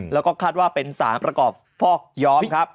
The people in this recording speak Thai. แล้วก็คาดว่าเป็นสารประกอบฟอกย้อมครับ